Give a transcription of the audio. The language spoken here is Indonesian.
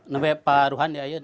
namun pak ruhandi itu